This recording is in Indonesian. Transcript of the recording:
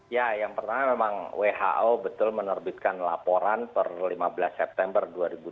ya yang pertama memang who betul menerbitkan laporan per lima belas september dua ribu dua puluh